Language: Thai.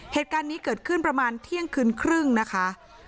เหตุการณ์นี้เกิดขึ้นประมาณเที่ยงคืนครึ่งนะคะ